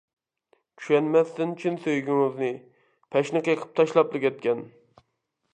چۈشەنمەستىن چىن سۆيگۈڭىزنى، پەشنى قېقىپ تاشلاپلا كەتكەن.